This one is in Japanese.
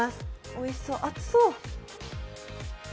おいしそう、熱そう。